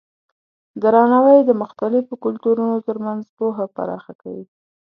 درناوی د مختلفو کلتورونو ترمنځ پوهه پراخه کوي.